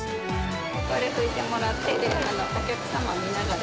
これを拭いてもらって、お客様を見ながら。